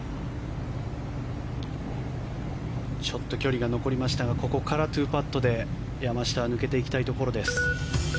距離が残りましたがここから２パットで山下は抜けていきたいところです。